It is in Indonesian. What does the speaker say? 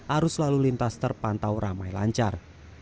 arus lalu lintas terpantau ramai lancar